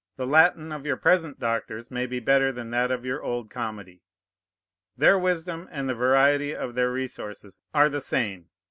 The Latin of your present doctors may be better than that of your old comedy; their wisdom and the variety of their resources are the same.